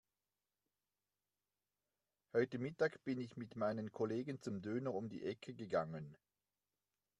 Heute Mittag bin ich mit meinen Kollegen zum Döner um die Ecke gegangen.